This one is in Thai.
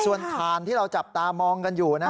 ส่วนฐานที่เราจับตามองกันอยู่นะ